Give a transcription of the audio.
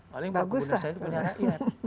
paling perkebunan sawit punya rakyat